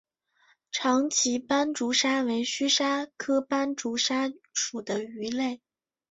长鳍斑竹鲨为须鲨科斑竹鲨属的鱼类。